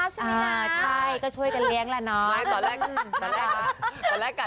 จะบอกว่าเสียงเบลล่าใช่มั้ยนะ